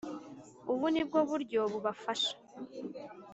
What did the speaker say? ubu nibwo buryo bubafasha